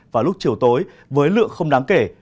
vào lúc chiều tối với lượng không đáng kể